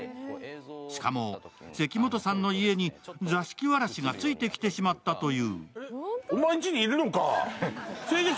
しかも、関本さんの家に座敷わらしがついてきてしまったという。